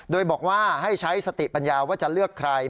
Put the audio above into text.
โดยบอกว่าให้ใช้สติปัญญาว่าจะเลือกใคร